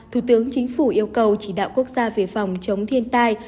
thủ tướng chính phủ yêu cầu chỉ đạo quốc gia về phòng chống thiên tai